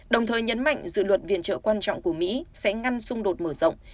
đồng thời nhấn mạnh dự luật viện trợ quan trọng của mỹ sẽ ngăn xung đột mở rộng